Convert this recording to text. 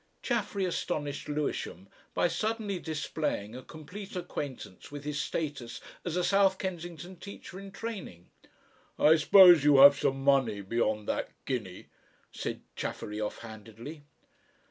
Chaffery astonished Lewisham by suddenly displaying a complete acquaintance with his status as a South Kensington teacher in training. "I suppose you have some money beyond that guinea," said Chaffery offhandedly.